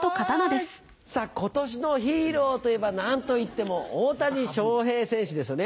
ことしのヒーローといえば、なんといっても大谷翔平選手ですよね。